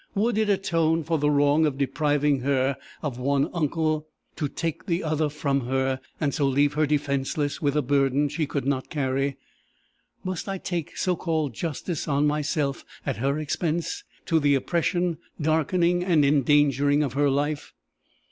Would it atone for the wrong of depriving her of one uncle, to take the other from her, and so leave her defenceless with a burden she could not carry? Must I take so called justice on myself at her expense to the oppression, darkening, and endangering of her life?